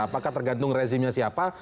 apakah tergantung rezimnya siapa